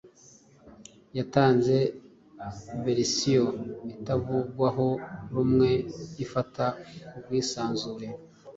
yatanze verisiyo itavugwaho rumwe ifata ubwisanzure